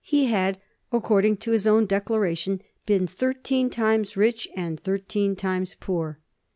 He had, according to his own declaration, been thirteen times rich and thirteen times poor.